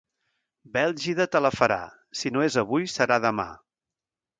Bèlgida te la farà, si no és avui serà demà.